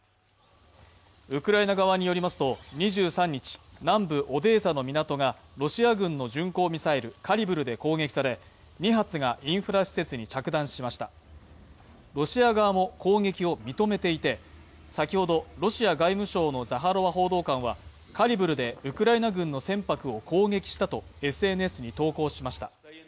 ウクライナ側によりますと２３日、南部オデーサの港がロシア軍の巡行ミサイル、カリブルで攻撃され２発がインフラ施設に着弾しましたロシア側も攻撃を認めていて先ほど、ロシア外務省のザハロワ報道官は、カリブルでウクライナ軍の船舶を攻撃したとＳＮＳに投稿しました。